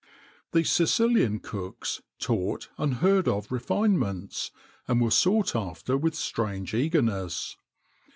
The Sicilian cooks taught unheard of refinements, and were sought after with strange eagerness.